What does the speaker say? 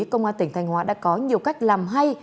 công an tỉnh thanh hóa đã có nhiều cách làm hay